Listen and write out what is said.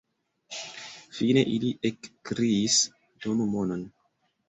Fine ili ekkriis: donu monon!